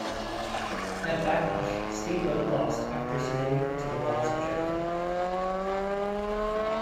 At Backlash, Steamboat lost after submitting to the Walls of Jericho.